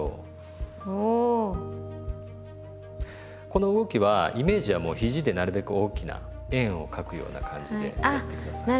この動きはイメージはもうひじでなるべく大きな円を描くような感じでやって下さい。